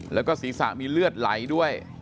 แล้วก็ศีรษะมีเลือดไหลด้วย